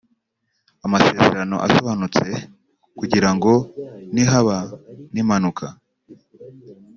amasezerano asobanutse kugira ngo nihaba n’impanuka